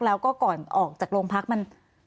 แล้วก็ก่อนออกจากโรงพักมัน